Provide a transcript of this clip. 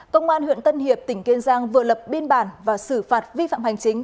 công an huyện tân hiệp tỉnh kiên giang vừa lập biên bản và xử phạt vi phạm hành chính